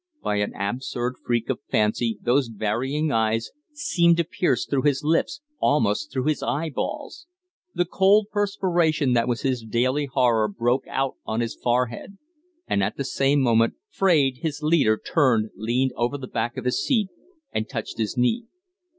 By an absurd freak of fancy those varying eyes seemed to pierce through his lids, almost through his eyeballs. The cold perspiration that was his daily horror broke out on his forehead; and at the same moment Fraide, his leader, turned, leaned over the back of his seat, and touched his knee.